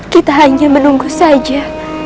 kita hanya menunggu saja